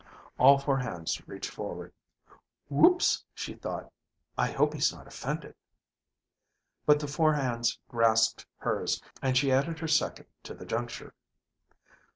All four hands reached forward. Whoops, she thought, I hope he's not offended. But the four hands grasped hers, and she added her second to the juncture.